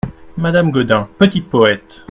Madame Gaudin Petite poète !